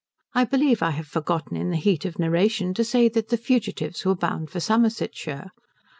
I believe I have forgotten, in the heat of narration, to say that the fugitives were bound for Somersetshire.